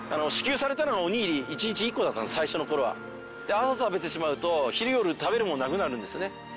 朝食べてしまうと昼夜食べるものがなくなるんですね。